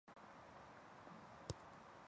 清朝翰林。